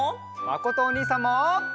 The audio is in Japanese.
まことおにいさんも。